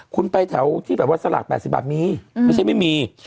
คุณไปแถวที่แบบว่าสลาก๘๐บาทมีไม่ใช่ไม่มี